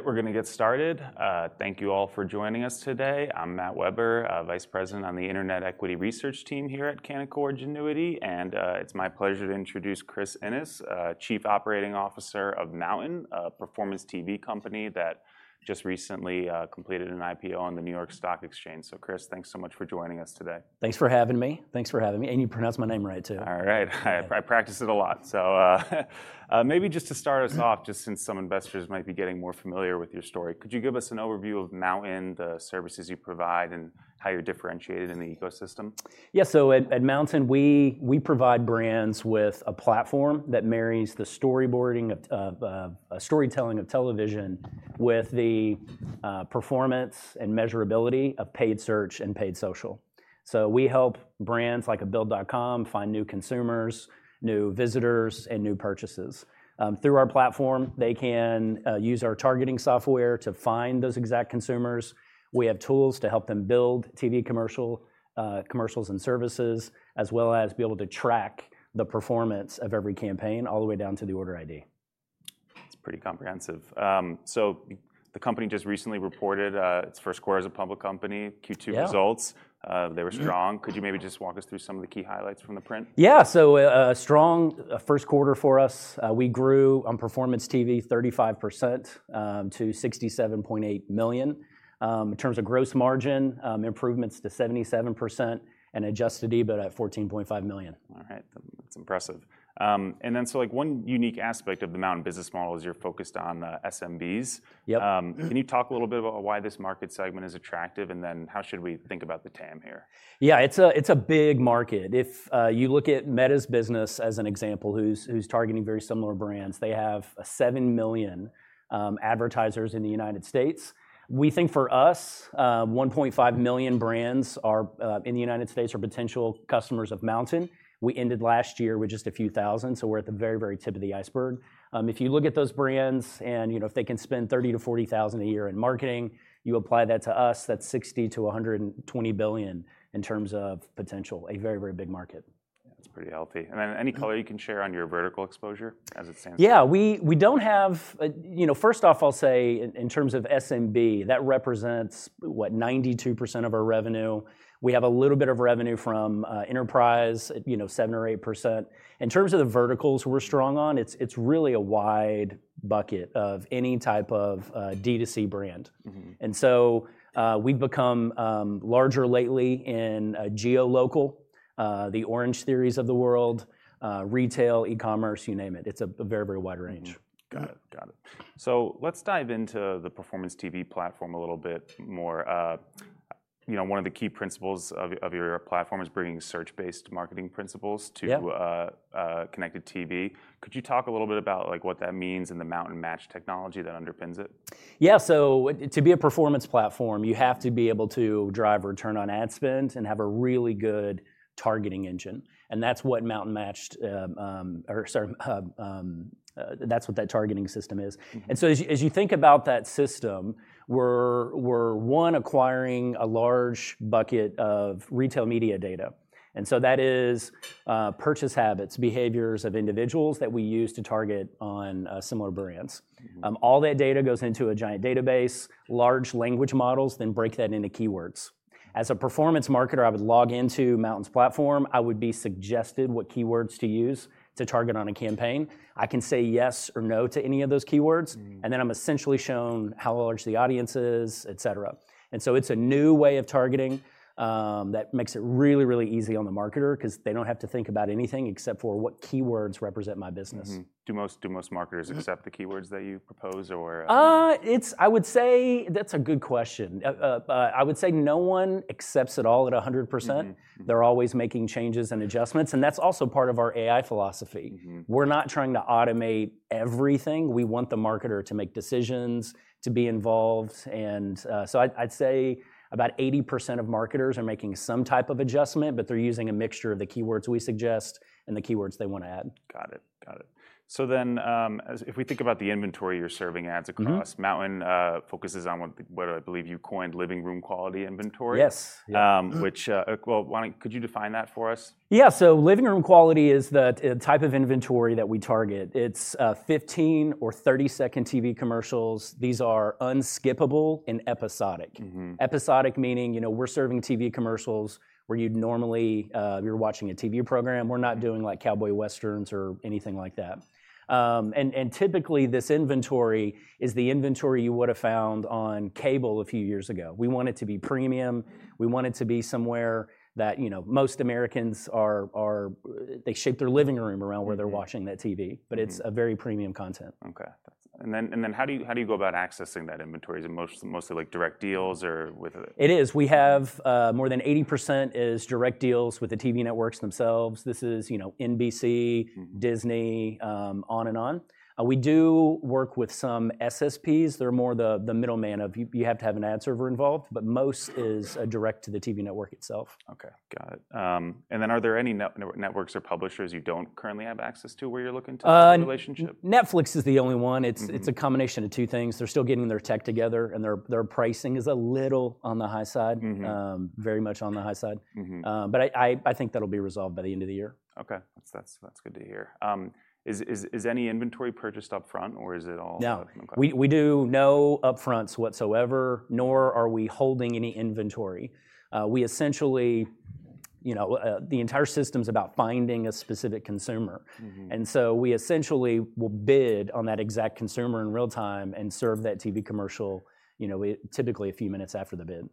All right, we are going to get started. Thank you all for joining us today. I'm Matt Weber, Vice President on the Internet Equity Research Team here at Canaccord Genuity. It's my pleasure to introduce Chris Innes, Chief Operating Officer of Mountain, a Performance TV company that just recently completed an IPO on the New York Stock Exchange. Chris, thanks so much for joining us today. Thanks for having me. You pronounced my name right, too. All right. I practice it a lot. Maybe just to start us off, since some investors might be getting more familiar with your story, could you give us an overview of Mountain, the services you provide, and how you're differentiated in the ecosystem? Yeah, at Mountain, we provide brands with a platform that marries the storyboarding and storytelling of television with the performance and measurability of paid search and paid social. We help brands like Build.com find new consumers, new visitors, and new purchases. Through our platform, they can use our targeting software to find those exact consumers. We have tools to help them build TV commercials and services, as well as be able to track the performance of every campaign all the way down to the order ID. It's pretty comprehensive. The company just recently reported its first quarter as a public company. Q2 results, they were strong. Could you maybe just walk us through some of the key highlights from the print? Yeah, a strong first quarter for us. We grew on Performance TV 35% to $67.8 million. In terms of gross margin, improvements to 77% and adjusted EBITDA at $14.5 million. All right, that's impressive. One unique aspect of the Mountain business model is you're focused on the SMBs. Yep. Can you talk a little bit about why this market segment is attractive? How should we think about the TAM here? Yeah, it's a big market. If you look at Meta's business as an example, who's targeting very similar brands, they have 7 million advertisers in the U.S. We think for us, 1.5 million brands in the U.S. are potential customers of Mountain. We ended last year with just a few thousand. We're at the very, very tip of the iceberg. If you look at those brands and you know if they can spend $30,000-$40,000 a year in marketing, you apply that to us, that's $60 billion-$120 billion in terms of potential, a very, very big market. That's pretty healthy. Any color you can share on your vertical exposure as it stands? Yeah, we don't have, you know, first off, I'll say in terms of SMB, that represents what, 92% of our revenue. We have a little bit of revenue from enterprise, you know, 7% or 8%. In terms of the verticals we're strong on, it's really a wide bucket of any type of D2C brand. We've become larger lately in geolocal, the Orange Theories of the world, retail, e-commerce, you name it. It's a very, very wide range. Got it. Let's dive into the Performance TV platform a little bit more. One of the key principles of your platform is bringing search-based marketing principles to connected TV. Could you talk a little bit about what that means and the Mountain Matched technology that underpins it? Yeah, to be a performance platform, you have to be able to drive return on ad spend and have a really good targeting engine. That's what Mountain Matched, or sorry, that's what that targeting system is. As you think about that system, we're, one, acquiring a large bucket of retail media data. That is purchase habits, behaviors of individuals that we use to target on similar brands. All that data goes into a giant database. Large language models then break that into keywords. As a performance marketer, I would log into Mountain's platform. I would be suggested what keywords to use to target on a campaign. I can say yes or no to any of those keywords. I'm essentially shown how large the audience is, et cetera. It's a new way of targeting that makes it really, really easy on the marketer because they don't have to think about anything except for what keywords represent my business. Do most marketers accept the keywords that you propose? I would say that's a good question. I would say no one accepts it all at 100%. They're always making changes and adjustments. That's also part of our AI philosophy. We're not trying to automate everything. We want the marketer to make decisions, to be involved. I'd say about 80% of marketers are making some type of adjustment, but they're using a mixture of the keywords we suggest and the keywords they want to add. Got it. Got it. If we think about the inventory you're serving ads across, Mountain focuses on what I believe you coined living room quality inventory. Yes. Why don't you define that for us? Yeah, so living room quality is the type of inventory that we target. It's 15 or 30-second TV commercials. These are unskippable and episodic. Episodic meaning, you know, we're serving TV commercials where you'd normally, you're watching a TV program. We're not doing like cowboy westerns or anything like that. Typically, this inventory is the inventory you would have found on cable a few years ago. We want it to be premium. We want it to be somewhere that, you know, most Americans are, they shape their living room around where they're watching that TV. It's a very premium content. OK. How do you go about accessing that inventory? Is it mostly like direct deals or with? It is. We have more than 80% is direct deals with the TV networks themselves. This is, you know, NBC, Disney, on and on. We do work with some SSPs. They're more the middleman if you have to have an ad server involved. Most is direct to the TV network itself. Okaty, got it. Are there any networks or publishers you don't currently have access to where you're looking to have a relationship? Netflix is the only one. It's a combination of two things. They're still getting their tech together, and their pricing is a little on the high side, very much on the high side. I think that'll be resolved by the end of the year. OK, that's good to hear. Is any inventory purchased upfront or is it all? No, we do no upfronts whatsoever, nor are we holding any inventory. We essentially, you know, the entire system is about finding a specific consumer. We essentially will bid on that exact consumer in real time and serve that TV commercial, typically a few minutes after the bid.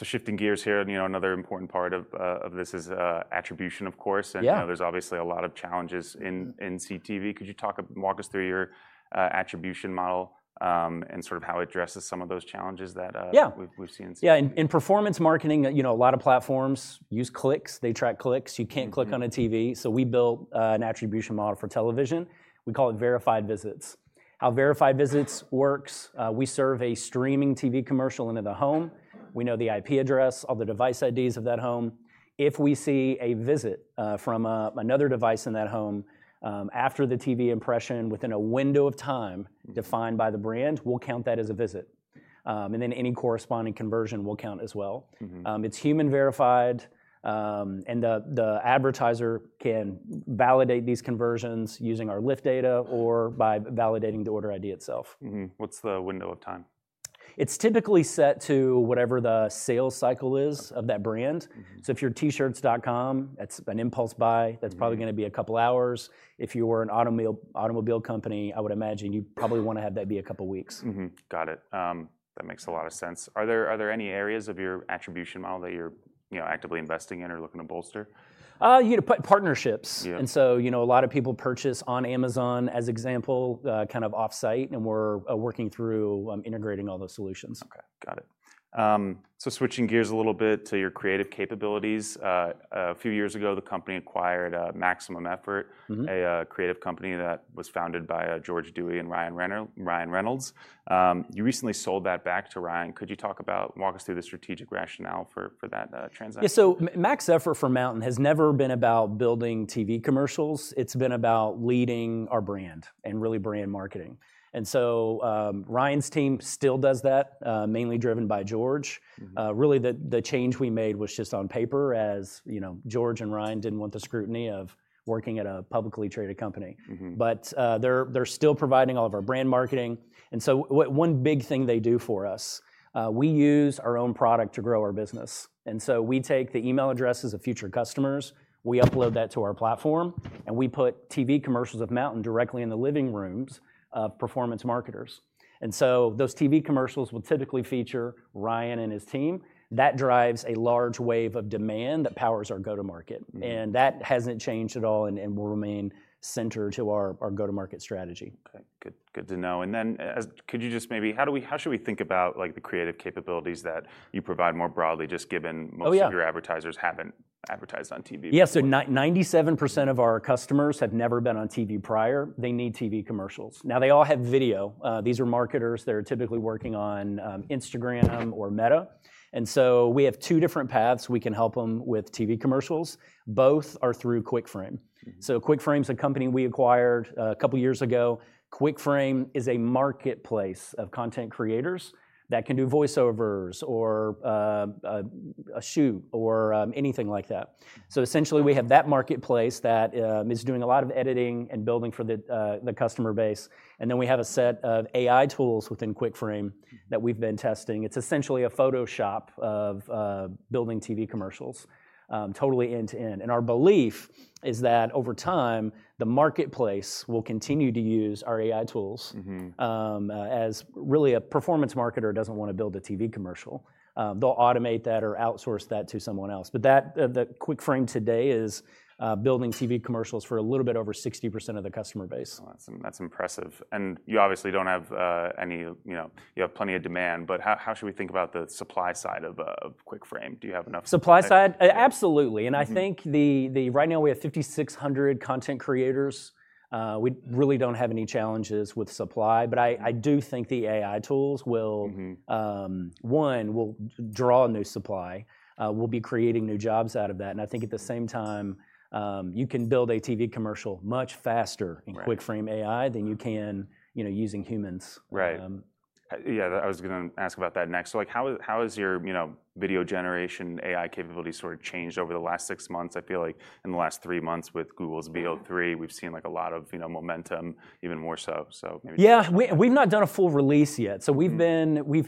OK, shifting gears here, you know, another important part of this is attribution, of course. Yeah. There are obviously a lot of challenges in connected TV. Could you walk us through your attribution model and how it addresses some of those challenges that we've seen? Yeah, in performance marketing, you know, a lot of platforms use clicks. They track clicks. You can't click on a TV. We built an attribution model for television. We call it Verified Visits. How Verified Visits work, we serve a streaming TV commercial into the home. We know the IP address, all the device IDs of that home. If we see a visit from another device in that home after the TV impression within a window of time defined by the brand, we'll count that as a visit. Any corresponding conversion will count as well. It's human verified. The advertiser can validate these conversions using our lift data or by validating the order ID itself. What's the window of time? It's typically set to whatever the sales cycle is of that brand. If you're tshirts.com, that's an impulse buy. That's probably going to be a couple of hours. If you were an automobile company, I would imagine you'd probably want to have that be a couple of weeks. Got it. That makes a lot of sense. Are there any areas of your attribution model that you're actively investing in or looking to bolster? You know, partnerships. A lot of people purchase on Amazon, as an example, kind of offsite. We're working through integrating all those solutions. OK, got it. Switching gears a little bit to your creative capabilities, a few years ago the company acquired Maximum Effort, a creative company that was founded by George Dewey and Ryan Reynolds. You recently sold that back to Ryan. Could you talk about, walk us through the strategic rationale for that transaction? Yeah, so Maximum Effort for Mountain has never been about building TV commercials. It's been about leading our brand and really brand marketing. Ryan's team still does that, mainly driven by George. Really, the change we made was just on paper, as you know, George and Ryan didn't want the scrutiny of working at a publicly traded company. They're still providing all of our brand marketing. One big thing they do for us, we use our own product to grow our business. We take the email addresses of future customers, upload that to our platform, and we put TV commercials of Mountain directly in the living rooms of performance marketers. Those TV commercials will typically feature Ryan and his team. That drives a large wave of demand that powers our go-to-market, and that hasn't changed at all and will remain centered to our go-to-market strategy. Okay. Good to know. Could you just maybe, how do we, how should we think about like the creative capabilities that you provide more broadly, just given most of your advertisers haven't advertised on TV? Yeah, so 97% of our customers have never been on TV prior. They need TV commercials. Now they all have video. These are marketers that are typically working on Instagram or Meta. We have two different paths we can help them with TV commercials. Both are through QuickFrame. QuickFrame is a company we acquired a couple of years ago. QuickFrame is a marketplace of content creators that can do voiceovers or a shoot or anything like that. Essentially, we have that marketplace that is doing a lot of editing and building for the customer base. We have a set of AI tools within QuickFrame that we've been testing. It's essentially a Photoshop of building TV commercials, totally end-to-end. Our belief is that over time, the marketplace will continue to use our AI tools. Really, a performance marketer doesn't want to build a TV commercial, they'll automate that or outsource that to someone else. QuickFrame today is building TV commercials for a little bit over 60% of the customer base. That's impressive. You obviously don't have any, you know, you have plenty of demand. How should we think about the supply side of QuickFrame? Do you have enough? Supply side, absolutely. I think right now we have 5,600 content creators. We really don't have any challenges with supply. I do think the AI tools will, one, draw a new supply. We'll be creating new jobs out of that. I think at the same time, you can build a TV commercial much faster in QuickFrame AI than you can, you know, using humans. Right. Yeah, I was going to ask about that next. How has your, you know, video generation AI capabilities sort of changed over the last six months? I feel like in the last three months with Google's Veo 3, we've seen like a lot of, you know, momentum, even more so. Yeah, we've not done a full release yet. We've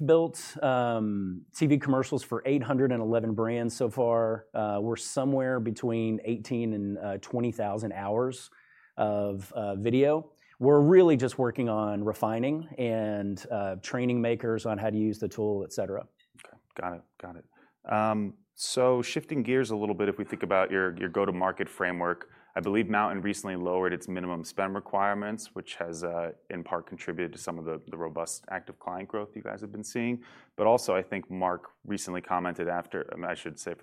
built TV commercials for 811 brands so far. We're somewhere between 18,000 hours and 20,000 hours of video. We're really just working on refining and training makers on how to use the tool, et cetera. Okay, got it. Got it. Shifting gears a little bit, if we think about your go-to-market framework, I believe Mountain recently lowered its minimum spend requirements, which has in part contributed to some of the robust active client growth you guys have been seeing. I think Mark recently commented, for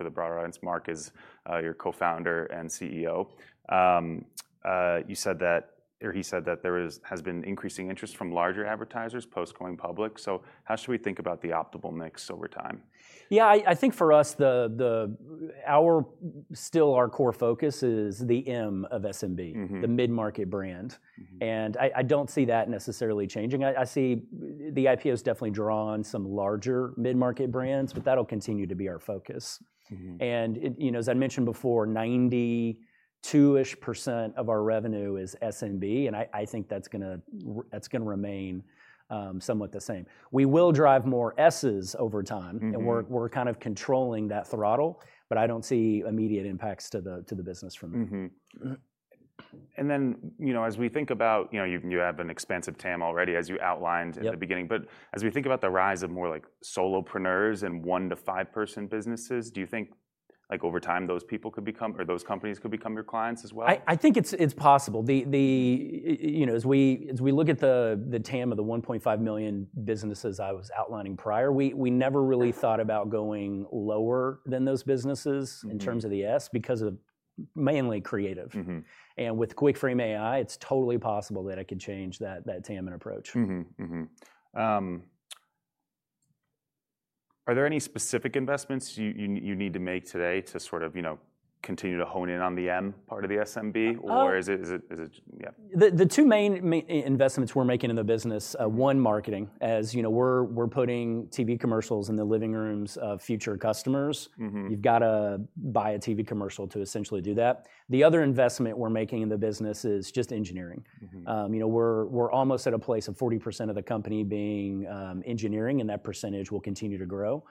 the broader audience, Mark is your Co-founder and CEO. You said that, or he said that there has been increasing interest from larger advertisers post going public. How should we think about the optimal mix over time? Yeah, I think for us, our core focus is the M of SMB, the mid-market brand. I don't see that necessarily changing. I see the IPOs definitely draw on some larger mid-market brands. That'll continue to be our focus. You know, as I mentioned before, 92% of our revenue is SMB, and I think that's going to remain somewhat the same. We will drive more Ss over time, and we're kind of controlling that throttle. I don't see immediate impacts to the business from that. As we think about, you have an expansive TAM already, as you outlined at the beginning. As we think about the rise of more like solopreneurs and one-to-five-person businesses, do you think over time, those people could become, or those companies could become your clients as well? I think it's possible. As we look at the TAM of the 1.5 million businesses I was outlining prior, we never really thought about going lower than those businesses in terms of the S because of mainly creative. With QuickFrame AI, it's totally possible that it could change that TAM and approach. Are there any specific investments you need to make today to continue to hone in on the M part of the SMB, or is it? The two main investments we're making in the business are, one, marketing. As you know, we're putting TV commercials in the living rooms of future customers. You've got to buy a TV commercial to essentially do that. The other investment we're making in the business is engineering. We're almost at a place of 40% of the company being engineering, and that percentage will continue to grow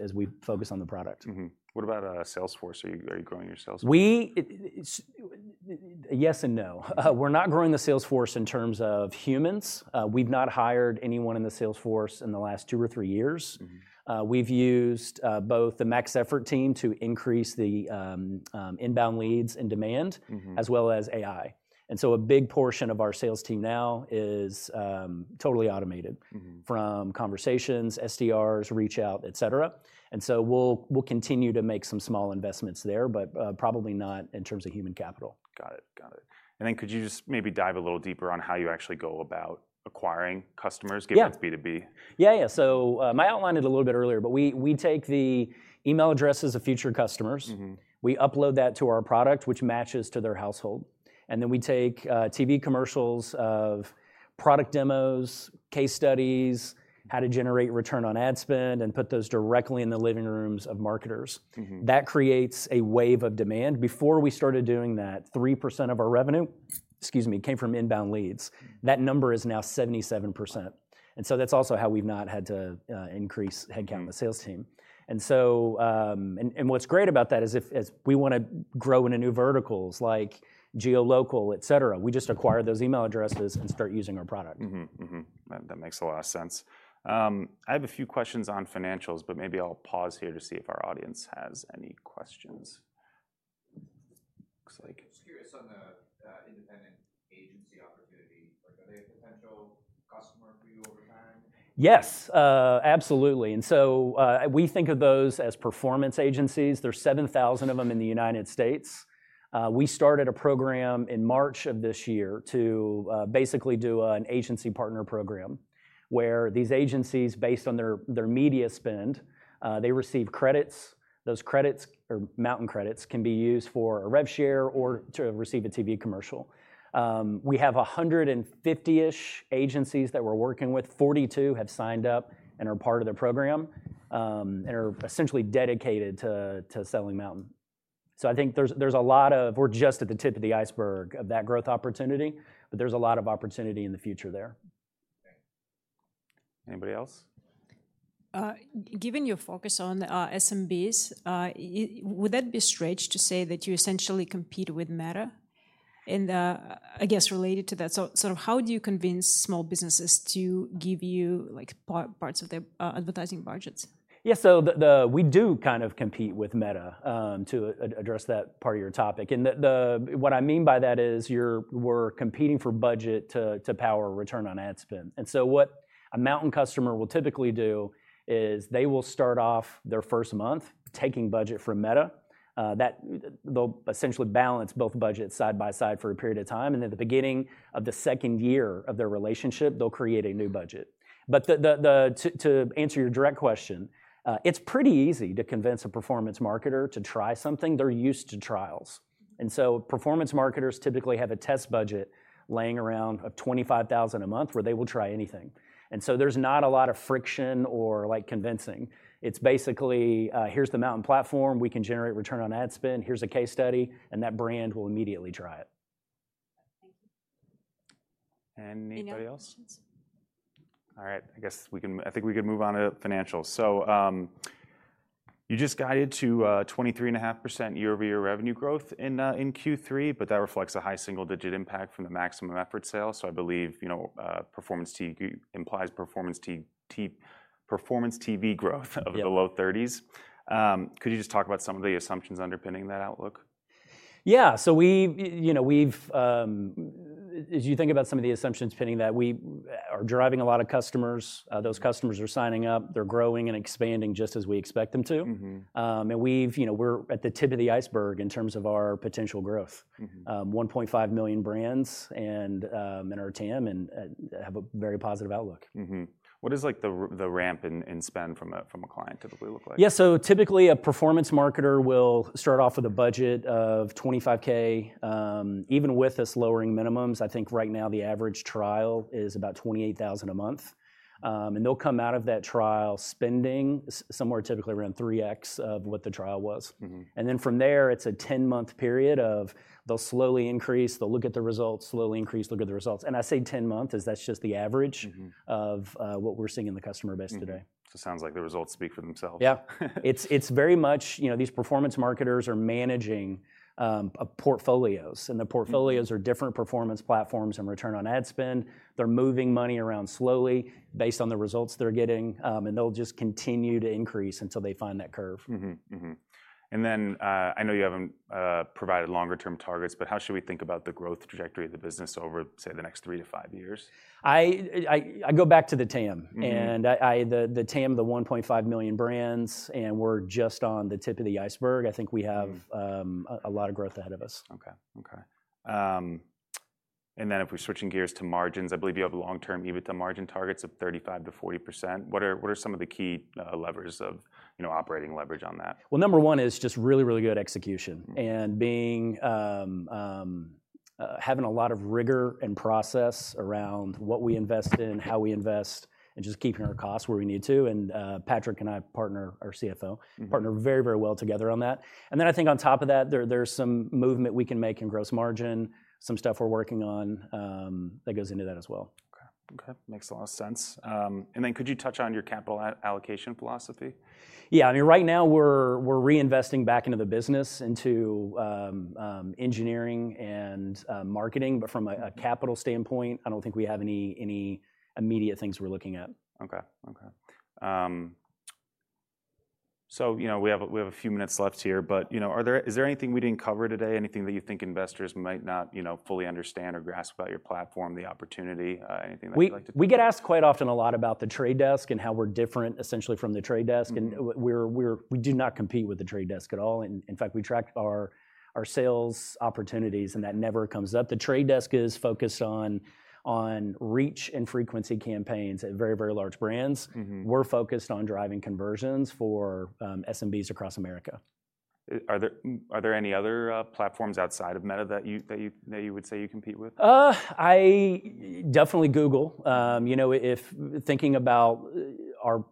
as we focus on the product. What about Salesforce? Are you growing your sales force? Yes and no. We're not growing the sales force in terms of humans. We've not hired anyone in the sales force in the last two or three years. We've used both the Maximum Effort team to increase the inbound leads and demand, as well as AI. A big portion of our sales team now is totally automated from conversations, SDRs, reach out, et cetera. We'll continue to make some small investments there, but probably not in terms of human capital. Got it. Could you just maybe dive a little deeper on how you actually go about acquiring customers, getting into B2B? Yeah, yeah. I outlined it a little bit earlier. We take the email addresses of future customers, upload that to our product, which matches to their household. We take TV commercials of product demos, case studies, how to generate return on ad spend, and put those directly in the living rooms of marketers. That creates a wave of demand. Before we started doing that, 3% of our revenue came from inbound leads. That number is now 77%. That's also how we've not had to increase headcount in the sales team. What's great about that is if we want to grow into new verticals like geolocal, et cetera, we just acquire those email addresses and start using our product. That makes a lot of sense. I have a few questions on financials. Maybe I'll pause here to see if our audience has any questions. Yes, absolutely. We think of those as performance agencies. There are 7,000 of them in the U.S. We started a program in March of this year to basically do an agency partner program where these agencies, based on their media spend, receive credits. Those credits, or Mountain credits, can be used for a rev share or to receive a TV commercial. We have 150-ish agencies that we're working with. 42 have signed up and are part of the program and are essentially dedicated to selling Mountain. I think we're just at the tip of the iceberg of that growth opportunity. There is a lot of opportunity in the future there. Anybody else? Given your focus on SMBs, would that be strange to say that you essentially compete with Meta? I guess related to that, how do you convince small businesses to give you like parts of their advertising budgets? Yeah, so we do kind of compete with Meta to address that part of your topic. What I mean by that is we're competing for budget to power return on ad spend. What a Mountain customer will typically do is they will start off their first month taking budget from Meta. They'll essentially balance both budgets side by side for a period of time. At the beginning of the second year of their relationship, they'll create a new budget. To answer your direct question, it's pretty easy to convince a performance marketer to try something. They're used to trials. Performance marketers typically have a test budget laying around $25,000 a month where they will try anything. There's not a lot of friction or convincing. It's basically, here's the Mountain platform. We can generate return on ad spend. Here's a case study. That brand will immediately try it. Anybody else? All right, I guess we can, I think we could move on to financials. You just guided to 23.5% year-over-year revenue growth in Q3. That reflects a high single-digit impact from the Maximum Effort sales. I believe, you know, Performance TV implies Performance TV growth of the low 30%s. Could you just talk about some of the assumptions underpinning that outlook? Yeah, we, as you think about some of the assumptions pinning that, we are driving a lot of customers. Those customers are signing up, they're growing and expanding just as we expect them to. We're at the tip of the iceberg in terms of our potential growth. 1.5 million brands are in our TAM and have a very positive outlook. What does the ramp in spend from a client typically look like? Yeah, so typically, a performance marketer will start off with a budget of $25,000. Even with us lowering minimums, I think right now the average trial is about $28,000 a month. They'll come out of that trial spending somewhere typically around 3x of what the trial was. From there, it's a 10-month period of they'll slowly increase. They'll look at the results, slowly increase, look at the results. I say 10 months as that's just the average of what we're seeing in the customer base today. It sounds like the results speak for themselves. Yeah. It's very much, you know, these performance marketers are managing portfolios. The portfolios are different performance platforms and return on ad spend. They're moving money around slowly based on the results they're getting. They'll just continue to increase until they find that curve. I know you haven't provided longer-term targets. How should we think about the growth trajectory of the business over, say, the next three to five years? I go back to the TAM. The TAM, the 1.5 million brands, and we're just on the tip of the iceberg. I think we have a lot of growth ahead of us. OK. If we're switching gears to margins, I believe you have long-term EBITDA margin targets of 35%-40%. What are some of the key levers of operating leverage on that? Number one is just really, really good execution and having a lot of rigor and process around what we invest in, how we invest, and just keeping our costs where we need to. Patrick and I, our CFO, partner very, very well together on that. I think on top of that, there's some movement we can make in gross margin. Some stuff we're working on that goes into that as well. Okay. Okay. Makes a lot of sense. Could you touch on your capital allocation philosophy? Yeah, I mean, right now we're reinvesting back into the business into engineering and marketing. From a capital standpoint, I don't think we have any immediate things we're looking at. Okay. We have a few minutes left here. Is there anything we didn't cover today? Anything that you think investors might not fully understand or grasp about your platform, the opportunity, anything that you'd like to? We get asked quite often a lot about The Trade Desk and how we're different essentially from The Trade Desk. We do not compete with The Trade Desk at all. In fact, we track our sales opportunities, and that never comes up. The Trade Desk is focused on reach and frequency campaigns at very, very large brands. We're focused on driving conversions for SMBs across America. Are there any other platforms outside of Meta that you would say you compete with? Definitely Google. If thinking about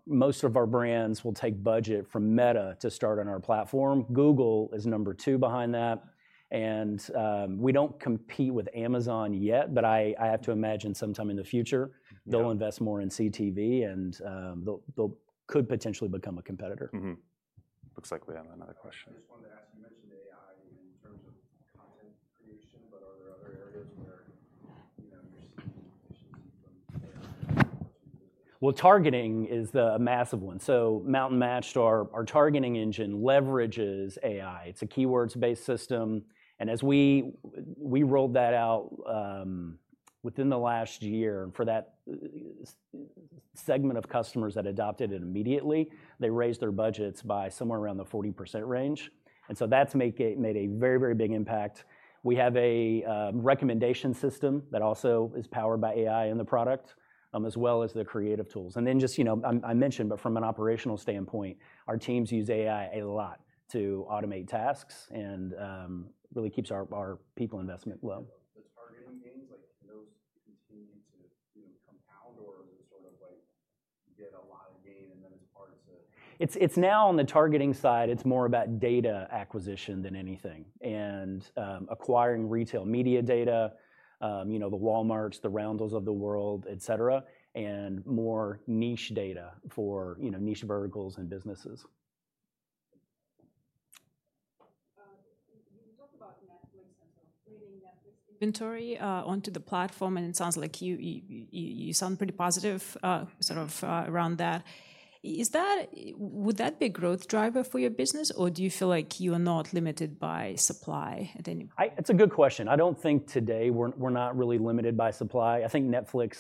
most of our brands will take budget from Meta to start on our platform, Google is number two behind that. We don't compete with Amazon yet. I have to imagine sometime in the future, they'll invest more in CTV. They could potentially become a competitor. Looks like we have another question. Targeting is a massive one. Mountain Matched, our targeting engine, leverages AI. It's a keywords-based system. As we rolled that out within the last year, for that segment of customers that adopted it immediately, they raised their budgets by somewhere around the 40% range. That's made a very, very big impact. We have a recommendation system that also is powered by AI in the product, as well as the creative tools. From an operational standpoint, our teams use AI a lot to automate tasks and really keep our people investment low. On the targeting side, it's more about data acquisition than anything and acquiring retail media data, you know, the Walmarts, the Ramblers of the world, et cetera, and more niche data for niche verticals and businesses. Inventory onto the platform, and it sounds like you sound pretty positive around that. Would that be a growth driver for your business? Or do you feel like you are not limited by supply at any point? It's a good question. I don't think today we're not really limited by supply. I think Netflix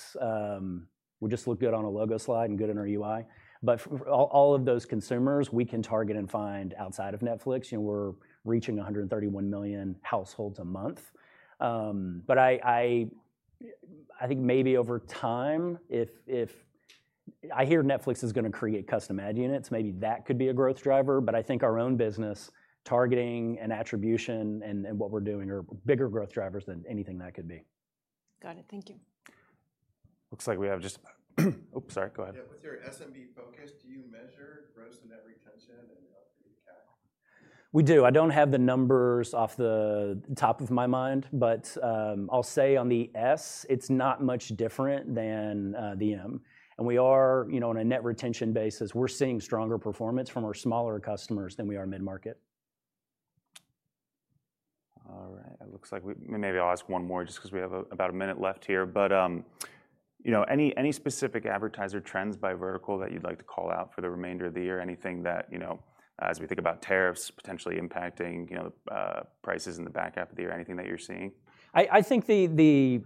would just look good on a logo slide and good in our UI. All of those consumers we can target and find outside of Netflix. We're reaching 131 million households a month. I think maybe over time, if I hear Netflix is going to create custom ad units, maybe that could be a growth driver. I think our own business, targeting and attribution and what we're doing are bigger growth drivers than anything that could be. Got it. Thank you. Looks like we have just, sorry, go ahead. Yeah, with your SMB focus, do you measure growth? We do. I don't have the numbers off the top of my mind, but I'll say on the S, it's not much different than the M. We are, you know, on a net retention basis, seeing stronger performance from our smaller customers than we are mid-market. All right. It looks like maybe I'll ask one more just because we have about a minute left here. Any specific advertiser trends by vertical that you'd like to call out for the remainder of the year? Anything that, as we think about tariffs potentially impacting prices in the back half of the year, you're seeing? I think the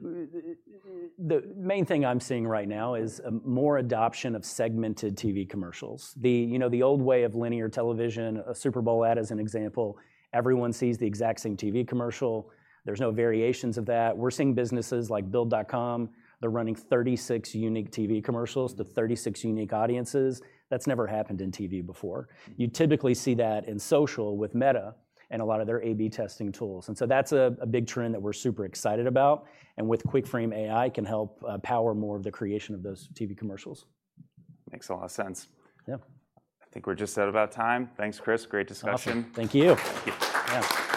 main thing I'm seeing right now is more adoption of segmented, personalized TV commercials. You know, the old way of linear television, a Super Bowl ad as an example, everyone sees the exact same TV commercial. There's no variations of that. We're seeing businesses like Build.com. They're running 36 unique TV commercials to 36 unique audiences. That's never happened in TV before. You typically see that in social with Meta and a lot of their A/B testing tools. That’s a big trend that we're super excited about. With QuickFrame, AI can help power more of the creation of those TV commercials. Makes a lot of sense. Yeah. I think we're just at about time. Thanks, Chris. Great discussion. Awesome. Thank you. Thank you. Yeah.